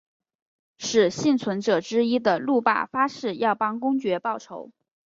使幸存者之一的路霸发誓要帮公爵报仇。